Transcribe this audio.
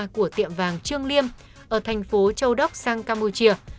của tiệm vàng trương liêm ở thành phố châu đốc sang campuchia